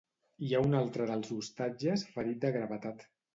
Hi ha un altre dels hostatges ferit de gravetat.